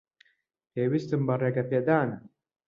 پێویستیم بە ڕێگەپێدانە.